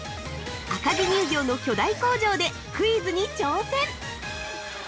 赤城乳業の巨大工場でクイズに挑戦！